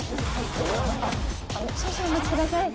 少々お待ちください。